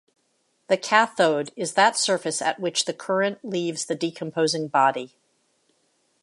The cathode is that surface at which the current leaves the decomposing body.